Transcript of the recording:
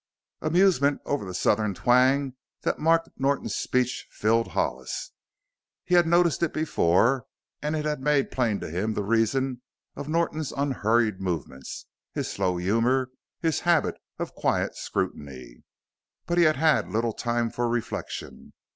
Amusement over the Southern twang that marked Norton's speech filled Hollis. He had noticed it before and it had made plain to him the reason of Norton's unhurried movements, his slow humor, his habit of quiet scrutiny. But he had little time for reflection.